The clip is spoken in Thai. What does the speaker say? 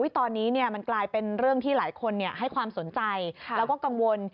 ตอนนี้มันกลายเป็นเรื่องที่หลายคนให้ความสนใจแล้วก็กังวล